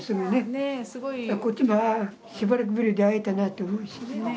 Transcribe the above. こっちもしばらくぶりで会えたなと思うしね。ね。